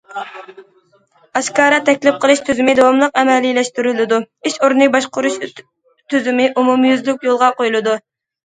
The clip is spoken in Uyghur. ئاشكارا تەكلىپ قىلىش تۈزۈمى داۋاملىق ئەمەلىيلەشتۈرۈلىدۇ، ئىش ئورنى باشقۇرۇش تۈزۈمى ئومۇميۈزلۈك يولغا قويۇلىدۇ.